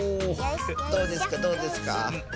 どうですかどうですか？